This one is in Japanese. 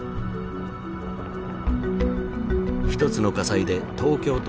１つの火災で東京都